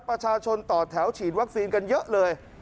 ประชาชนต่อแถวฉีดวัคซีนกันเยอะเลย